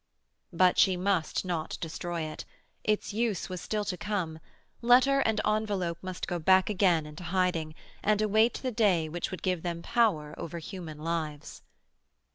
But she must not destroy it. Its use was still to come. Letter and envelope must go back again into hiding, and await the day which would give them power over human lives.